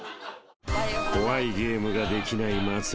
［怖いゲームができない松村さん］